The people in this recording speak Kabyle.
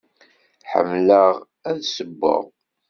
Ḥemmleɣ ad ssewweɣ.